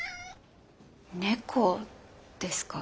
猫ですか？